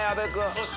よし！